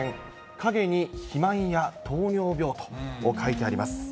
陰に肥満や糖尿病と書いてあります。